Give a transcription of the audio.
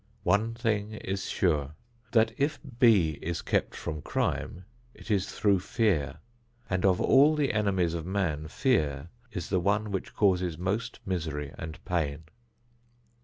One thing is sure, that if B is kept from crime, it is through fear, and of all the enemies of man, fear is the one which causes most misery and pain.